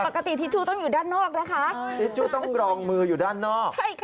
ทิชชูต้องอยู่ด้านนอกนะคะทิชชูต้องรองมืออยู่ด้านนอก